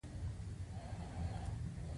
آیا بهرنی افغانان پانګونې ته راځي؟